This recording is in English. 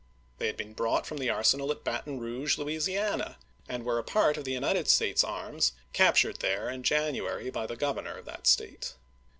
They had been brought from the arsenal at Baton Rouge, Louisiana, and were a part of the United States arms captured there in January by the Groveruor of that State.